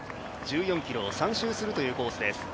１４ｋｍを３周するというコースです。